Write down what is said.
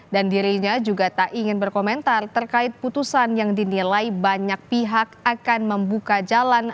dan dirinya juga tak ingin berkomentar terkait putusan yang dinilai banyak pihak akan membuka jalan